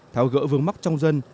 tháo gỡ vướng mắc trong dân